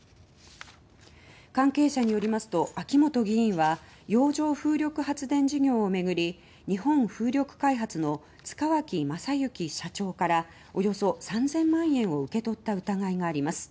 関係者によりますと秋本議員は洋上風力発電事業を巡り日本風力開発の塚脇正幸社長からおよそ３０００万円を受け取った疑いがあります。